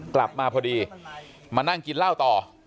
กลับมาพอดีมานั่งกินเหล้าต่อ